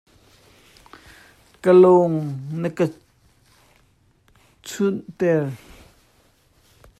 Ka lung na ka cunh ter.